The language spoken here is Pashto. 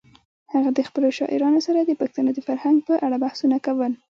هغه د خپلو شاعرانو سره د پښتنو د فرهنګ په اړه بحثونه کول.